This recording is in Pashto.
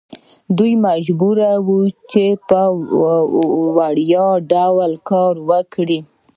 دوی مجبور وو چې په وړیا ډول کار وکړي.